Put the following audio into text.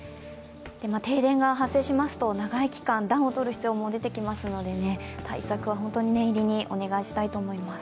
停電が発生しますと長い期間暖を取る必要も出てきますので対策は本当に念入りにお願いしたいと思います。